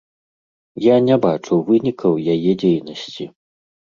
Я не бачу вынікаў яе дзейнасці.